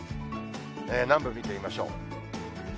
南部見てみましょう。